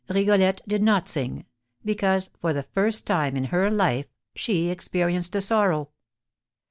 Rigolette did not sing, because, for the first time in her life, she experienced a sorrow.